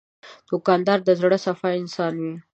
دوکاندار د زړه صفا انسان وي.